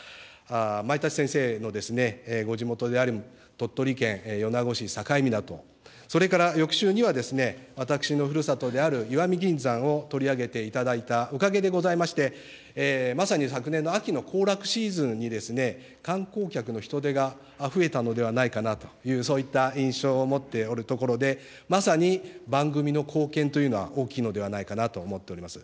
舞立先生のご地元である鳥取県米子市境港、それから翌週には、私のふるさとである石見銀山を取り上げていただいたおかげでございまして、まさに昨年の秋の行楽シーズンに、観光客の人出が増えたのではないかなという、そういった印象を持っておるところで、まさに番組の貢献というのは大きいのではないかなと思っております。